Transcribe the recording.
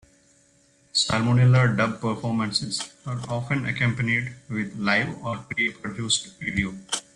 Salmonella Dub performances are often accompanied with live or pre produced video.